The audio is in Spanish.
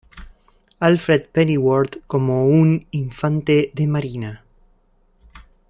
Alfred Pennyworth como un infante de marina.